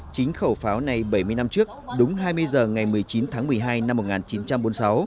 chính khẩu pháo này bảy mươi năm trước đúng hai mươi h ngày một mươi chín tháng một mươi hai năm một nghìn chín trăm bốn mươi sáu